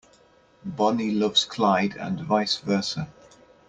Bonnie loves Clyde and vice versa.